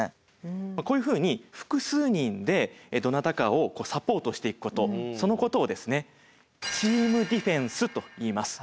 こういうふうに複数人でどなたかをサポートしていくことそのことを「チームディフェンス」と言います。